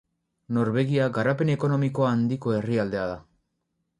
Norvegia garapen ekonomiko handiko herrialdea da.